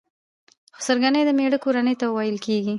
خسرګنۍ د مېړه کورنۍ ته ويل کيږي.